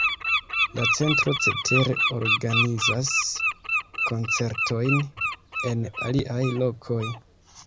La centro cetere organizas koncertojn en aliaj lokoj.